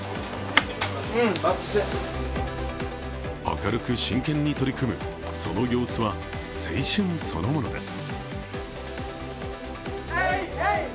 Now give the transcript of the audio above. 明るく真剣に取り組むその様子は青春そのものです。